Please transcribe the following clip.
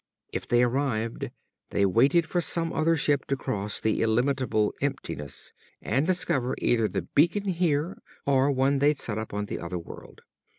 If they arrived, they waited for some other ship to cross the illimitable emptiness and discover either the beacon here or one they'd set up on the other world.